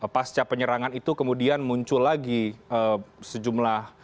pasca penyerangan itu kemudian muncul lagi sejumlah